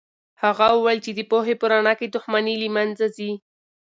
هغه وویل چې د پوهې په رڼا کې دښمني له منځه ځي.